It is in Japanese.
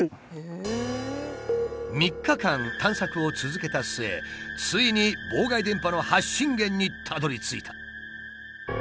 ３日間探索を続けた末ついに妨害電波の発信源にたどりついた。